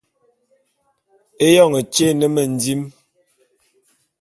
Éyoñ tyé é ne mendim.